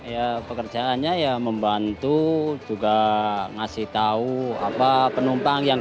ya pekerjaannya ya membantu juga ngasih tahu penumpang yang gak peduli